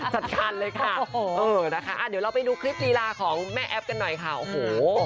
จัดการเลยค่ะเออนะคะเดี๋ยวเราไปดูคลิปลีลาของแม่แอฟกันหน่อยค่ะโอ้โห